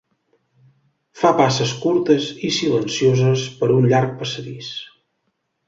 Fa passes curtes i silencioses per un llarg passadís.